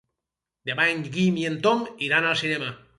Demà en Guim i en Tom iran al cinema.